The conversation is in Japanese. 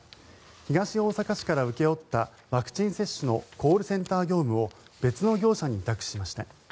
東大阪市から請け負ったワクチン接種のコールセンター業務を別の業者に委託しました。